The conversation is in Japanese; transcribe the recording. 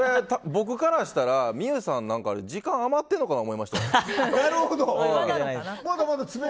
僕からしたら望結さん、何か時間余ってるのかなと思いました。